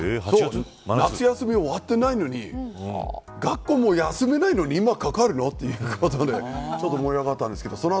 夏休みも終わっていないのに学校も休めないのに今かかるのということでちょっと盛り上がったんですけど。